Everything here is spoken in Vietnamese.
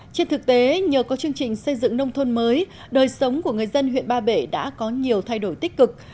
trên thực tế nhờ có chương trình xây dựng nông thôn mới đời sống của người dân huyện ba bể đã có nhiều thay đổi tích cực